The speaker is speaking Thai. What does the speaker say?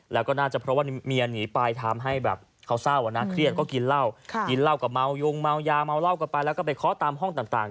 แล้วก็น่าจะเพราะว่าเมียหนีไปทำให้แบบเขาเศร้าอ่ะนะเครียดก็กินเหล้ากินเหล้ากับเมายุงเมายาเมาเหล้ากันไปแล้วก็ไปเคาะตามห้องต่าง